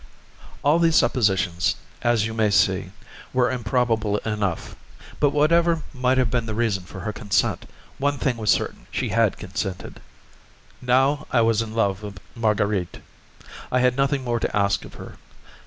All these suppositions, as you may see, were improbable enough; but whatever might have been the reason of her consent, one thing was certain, she had consented. Now, I was in love with Marguerite. I had nothing more to ask of her.